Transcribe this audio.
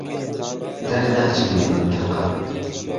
دهرناچم له مهنتهقه